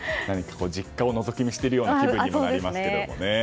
実家をのぞき見しているような気分にもなりますけどね。